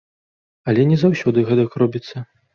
Але не заўсёды гэтак робіцца.